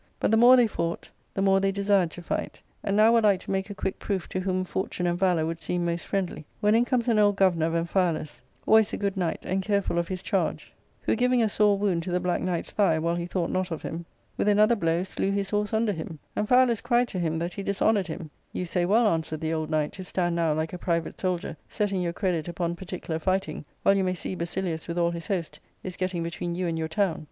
But the more they fought the ^ore they desired to fight, and the more they smarted the less they felt the smart, and now were like to make a quick proof to whom fortune and valour would seem most friendly, when in comes 'an old governor of Amphialus, always a good knight, and careful of his charge, who giving a sore wound to tHe black knight!s thigh while he thought not of him, with another T 2 \f 276 ARCADIA.— Book III. blow slew his horse under him. Amphialus cried to him that he dishonoured him. "You say well," answered the old ''knight, "to stand now, like a private soldier, setting your credit upon particular fighting, while you may see Basilius, with all his host, is getting between you and your town.